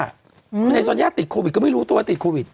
คือในซอนยาติดโควิดก็ไม่รู้ตัวว่าติดโควิด